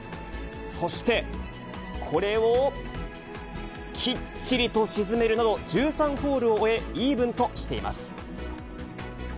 そして、これをきっちりと沈めるなど、１３ホールを終え、イーブンとしています。